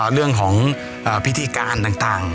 เรื่องของพิธีการต่าง